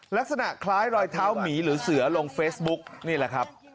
ลักษณะคล้ายรอยเท้าหมีหรือเสือลงเฟซบุ๊กนี่แหละครับ